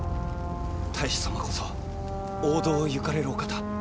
太守様こそ王道を行かれるお方。